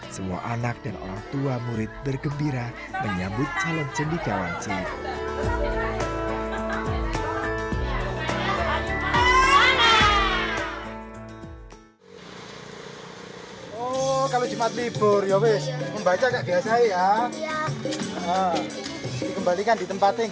semua anak dan orang tua murid bergembira menyambut calon cendik jawang cili